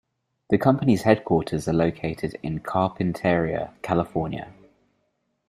The company's headquarters are located in Carpinteria, California.